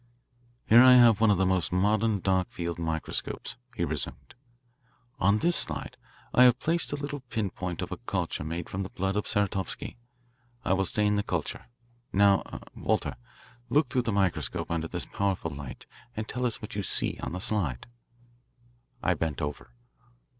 "Here I have one of the most modern dark field microscopes," he resumed. "On this slide I have placed a little pin point of a culture made from the blood of Saratovsky. I will stain the culture. Now er Walter, look through the microscope under this powerful light and tell us what you see on the slide." I bent over.